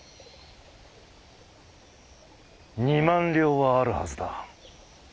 ２万両はあるはずだ。